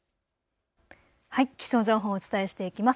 気象情報をお伝えしていきます。